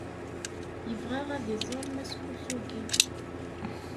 Yebɣa ad iẓer Mass Kosugi.